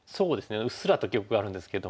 うっすらと記憶があるんですけども。